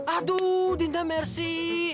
aduh dinda mercy